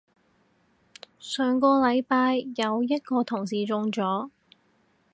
上個禮拜有一個同事中咗